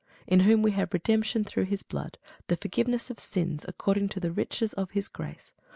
In whom we have redemption through his blood, the forgiveness of sins, according to the riches of his grace.